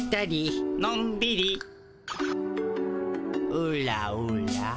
うらうら？